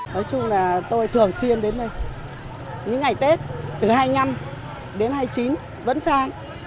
nói chung là tôi thường xuyên đến đây những ngày tết từ hai mươi năm đến hai mươi chín vẫn sang